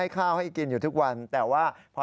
ตามภาพ